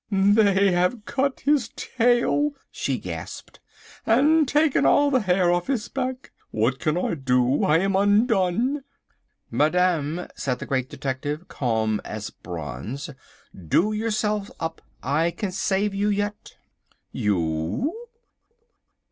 "They have cut his tail," she gasped, "and taken all the hair off his back. What can I do? I am undone!!" "Madame," said the Great Detective, calm as bronze, "do yourself up. I can save you yet." "You!"